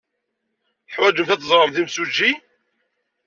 Teḥwajemt ad teẓremt imsujji?